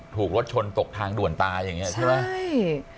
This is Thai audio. รถชนตกทางด่วนตายอย่างนี้ใช่ไหมใช่